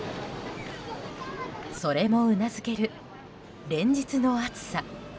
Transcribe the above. それもうなずける連日の暑さ。